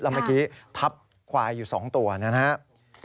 แล้วเมื่อกี้ทับควายอยู่๒ตัวนะครับ